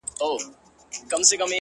تا راته نه ويل د کار راته خبري کوه ؛